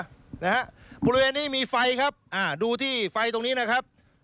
นะฮะบริเวณนี้มีไฟครับอ่าดูที่ไฟตรงนี้นะครับ